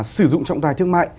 sử dụng trọng tài thương mại